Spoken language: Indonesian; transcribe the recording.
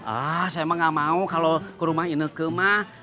ah saya mah gak mau kalau ke rumah ineke mah